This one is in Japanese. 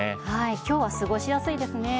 きょうは過ごしやすいですね。